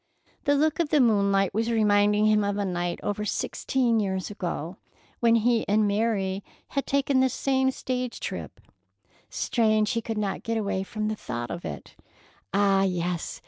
The look of the moonlight was reminding him of a night over sixteen years ago, when he and Mary had taken this same stage trip. Strange he could not get away from the thought of it. Ah, yes!